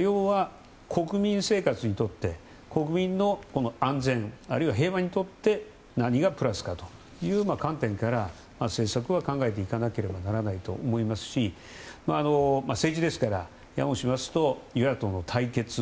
要は、国民生活にとって国民の安全あるいは平和にとって何がプラスかという観点から政策は考えていかなければならないと思いますし政治ですからやもしますと与野党の対決